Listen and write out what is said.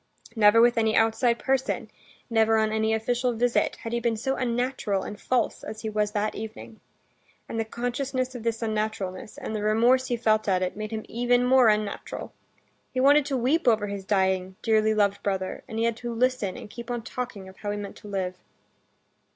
Never with any outside person, never on any official visit had he been so unnatural and false as he was that evening. And the consciousness of this unnaturalness, and the remorse he felt at it, made him even more unnatural. He wanted to weep over his dying, dearly loved brother, and he had to listen and keep on talking of how he meant to live.